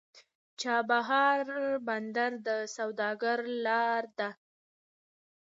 چابهار بندر د سوداګرۍ لار ده.